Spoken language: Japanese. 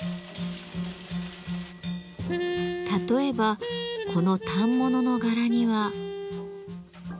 例えばこの反物の柄には。